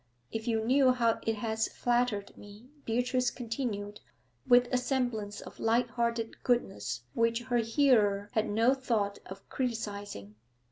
'If you knew how it has flattered me!' Beatrice continued, with a semblance of light hearted goodness which her hearer had no thought of criticising.